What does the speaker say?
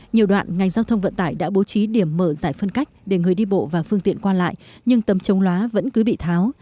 nhiều đoạn ngành giao thông vận tải đã bố trí điểm mở giải phân cách để người đi bộ và phương tiện qua lại nhưng tấm chống lóa vẫn cứ bị tháo